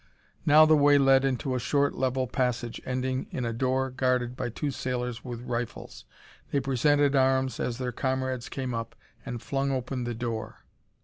Now the way led into a short, level passage ending in a door guarded by two sailors with rifles. They presented arms, as their comrades came up, and flung open the door.